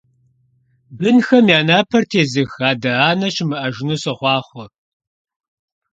Бынхэм я напэр тезых адэ-анэ щымыӀэжыну сохъуахъуэ!